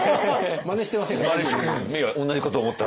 まねしてません。